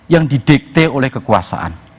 yang didikte oleh kekuasaan